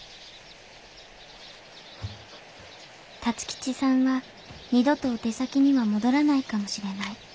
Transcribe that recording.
辰吉さんは二度とお手先には戻らないかもしれない。